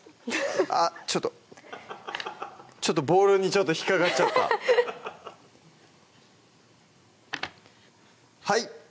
あっちょっとちょっとボウルにちょっと引っかかっちゃったはい！